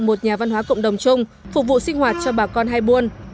một nhà văn hóa cộng đồng chung phục vụ sinh hoạt cho bà con hai buôn